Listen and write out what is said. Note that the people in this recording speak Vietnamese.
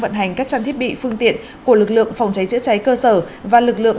vận hành các trang thiết bị phương tiện của lực lượng phòng cháy chữa cháy cơ sở và lực lượng